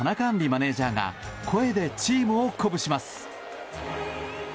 マネジャーが声でチームを鼓舞します。